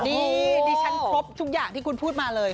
ดิฉันครบทุกอย่างที่คุณพูดมาเลย